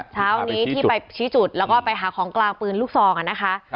เช้านี้ที่ไปชี้จุดแล้วก็ไปหาของกลางปืนลูกซองนะคะ